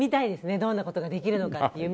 どんなことができるのか。